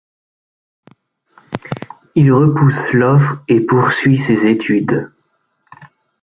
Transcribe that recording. Il repousse l'offre et poursuit ses études.